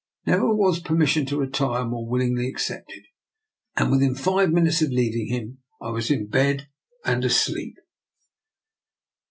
Never was permission to retire more willingly accepted, and within five minutes of leaving him I was in bed and asleep.